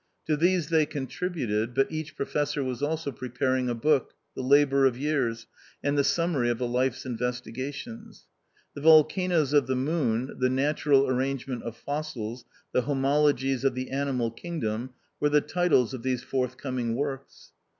To these they contributed, but each Professor was also preparing a book, the labour of years, and the summary of a life's investigations. The Volcanoes of the Moon — the Natural Arrangement of Fossils — the Homologies of the Animal Kingdom, were the titles of these forthcoming works.